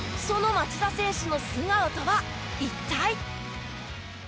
その町田選手の素顔とは一体？